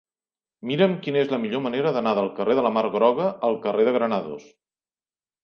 Mira'm quina és la millor manera d'anar del carrer de la Mar Groga al carrer de Granados.